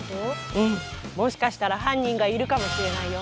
うんもしかしたら犯人がいるかもしれないよ